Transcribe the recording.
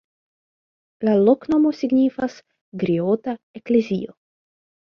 La loknomo signifas: griota-eklezio.